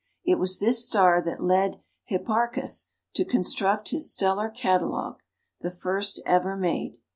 It was this star that led Hipparchus to construct his stellar catalogue, the first ever made.